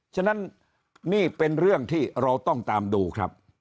ฉะนั้นนี่เป็นเรื่องที่เราต้องตามดูครับ